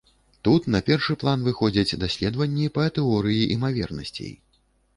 Тут на першы план выходзяць даследаванні па тэорыі імавернасцей.